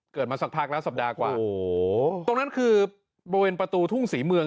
มาสักพักแล้วสัปดาห์กว่าโอ้โหตรงนั้นคือบริเวณประตูทุ่งศรีเมือง